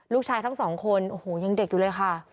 ลูกชายทั้งสองคนโอ้โหยังเด็กอยู่เลยค่ะ